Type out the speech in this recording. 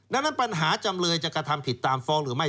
ดังนั้นปัญหาจำเลยจะกระทำผิดตามฟ้องหรือไม่